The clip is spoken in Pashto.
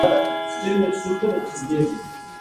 سترګې په سړو اوبو وینځئ